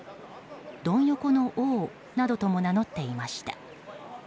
ドン横の王などとも名乗っていました。